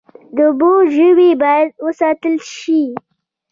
د اوبو ژوي باید وساتل شي